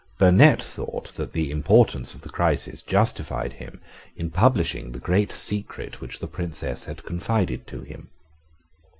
Burnet thought that the importance of the crisis justified him in publishing the great secret which the Princess had confided to him.